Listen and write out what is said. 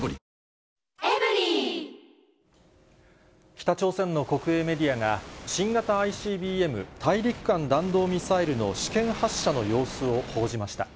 北朝鮮の国営メディアが、新型ＩＣＢＭ・大陸間弾道ミサイルの試験発射の様子を報じました。